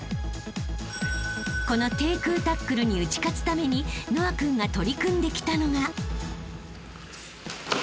［この低空タックルに打ち勝つために和青君が取り組んできたのが］